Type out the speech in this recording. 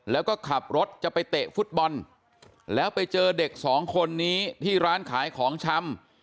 แล้วก็ขับรถจะไปเตะฟุตบอลแล้วไปเจอเด็กสองคนนี้ที่ร้านขายของชำ